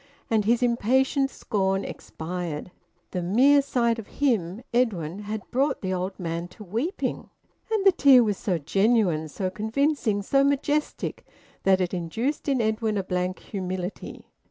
And his impatient scorn expired. The mere sight of him, Edwin, had brought the old man to weeping! And the tear was so genuine, so convincing, so majestic that it induced in Edwin a blank humility.